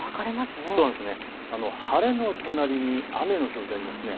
晴れの隣に雨の表示がありますね。